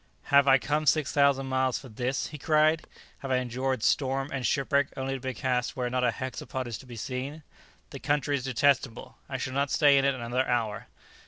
"Have I come six thousand miles for this?" he cried: "have I endured storm and shipwreck only to be cast where not a hexapod is to be seen? The country is detestable! I shall not stay in it another hour!"